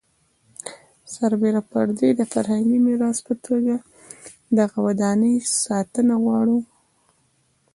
سربېره پر دې د فرهنګي میراث په توګه دغه ودانۍ ساتنه وغواړو.